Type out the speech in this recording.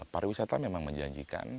para wisata memang menjanjikan